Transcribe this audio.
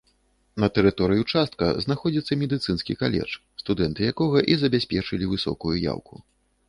На тэрыторыі ўчастка знаходзіцца медыцынскі каледж, студэнты якога і забяспечылі высокую яўку.